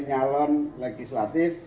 dan tidak boleh mencari anggota legislatif